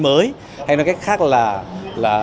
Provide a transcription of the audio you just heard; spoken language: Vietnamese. mới hay nói cách khác là